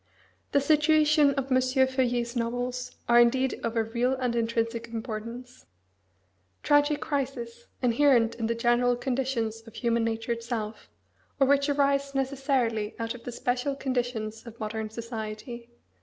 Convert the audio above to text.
The situations of M. Feuillet's novels are indeed of a real and intrinsic importance: tragic crises, inherent in the general conditions of human nature itself, or which arise necessarily out of the special conditions of modern society.